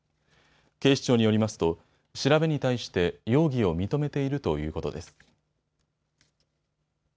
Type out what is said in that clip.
警視庁によりますと調べに対して容疑を認めているということです。